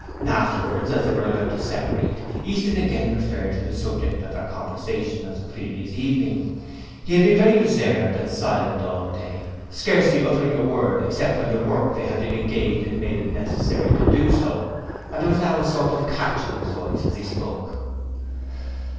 Afterwards, as they were about to separate, Easton again referred to the subject of their conversation of the previous evening. He had been very reserved and silent all day, scarcely uttering a word except when the work they had been engaged in made it necessary to do so, and there was now a sort of catch in his voice as he spoke.